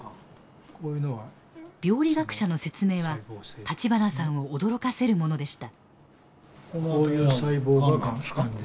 病理学者の説明は立花さんを驚かせるものでした。